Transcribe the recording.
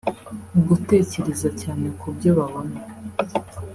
gutekereza cyane kubyo babona